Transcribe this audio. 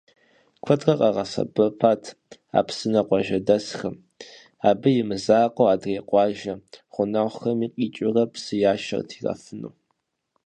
Куэдрэ къагъэсэбэпащ а псынэр къуажэдэсхэм, абы имызакъуэу, адрей къуажэ гъунэгъухэм къикӏыурэ псы яшэрт ирафыну.